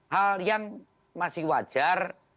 hal yang masih wajar